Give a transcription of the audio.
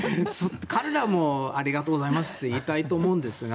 彼らはもうありがとうございますと言いたいと思うんですが。